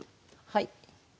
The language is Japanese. はい。